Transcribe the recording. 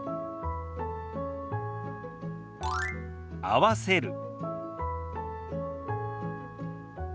「合わせる」。